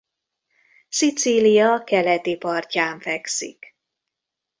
Szicília keleti partján fekszik.